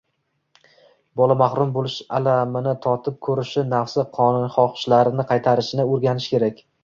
Bola mahrum bo‘lish alamini totib ko‘rishi, nafsi xohishlarini qaytarishni o‘rganishi kerak.